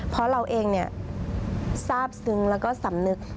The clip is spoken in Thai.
เพราะเราเองทราบซึ้งแล้วก็สำนึก